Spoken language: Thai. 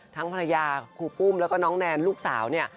ภรรยาครูปุ้มแล้วก็น้องแนนลูกสาวเนี่ย